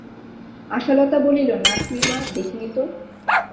আশালতা বলিল, না খুড়িমা, দেখিনি তো।